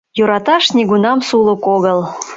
ЙӦРАТАШ НИГУНАМ СУЛЫК ОГЫЛ